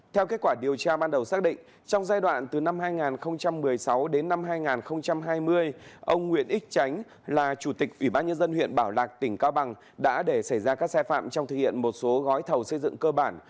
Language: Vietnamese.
theo kết quả điều tra ban đầu xác định trong giai đoạn từ năm hai nghìn một mươi sáu đến năm hai nghìn hai mươi ông nguyễn ích là chủ tịch ủy ban nhân dân huyện bảo lạc tỉnh cao bằng đã để xảy ra các sai phạm trong thực hiện một số gói thầu xây dựng cơ bản